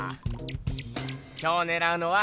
今日ねらうのは！